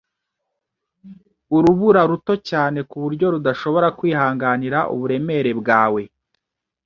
Urubura ruto cyane kuburyo rudashobora kwihanganira uburemere bwawe.